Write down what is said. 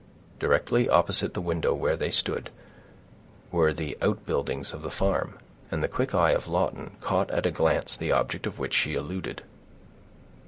Directly opposite the window where they stood, were the outbuildings of the farm, and the quick eye of Lawton caught at a glance the object to which she alluded.